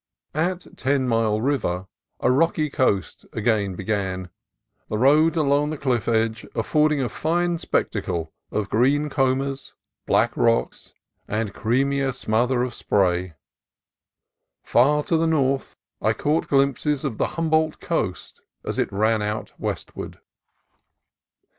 At Ten Mile River a rocky coast again began, the road along the cliff edge affording a fine spectacle of green combers, black rocks, and creamy smother of spray. Far to the north I caught glimpses of the Humboldt coast as it ran out westward.